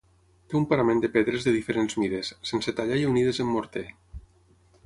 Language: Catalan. Té un parament de pedres de diferents mides, sense tallar i unides en morter.